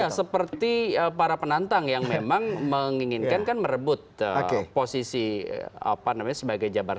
ya seperti para penantang yang memang menginginkan kan merebut posisi apa namanya sebagai jabar